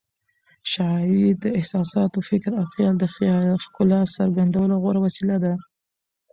شاعري د احساساتو، فکر او خیال د ښکلا څرګندولو غوره وسیله ده.